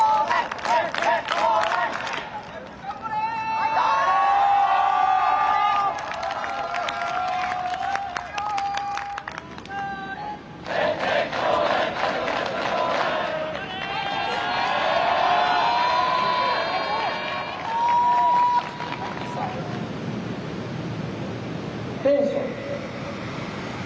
アテンション。